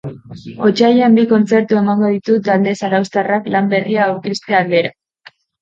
Otsailean bi kontzertu emango ditu talde zarauztarrak lan berria aurkezte aldera.